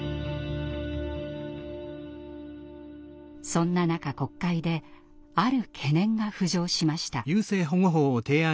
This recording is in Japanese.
そんな中国会である懸念が浮上しました。